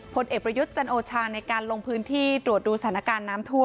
ผลเอกประยุทธ์จันโอชาในการลงพื้นที่ตรวจดูสถานการณ์น้ำท่วม